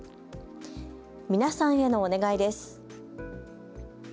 皆さんへのお願いです。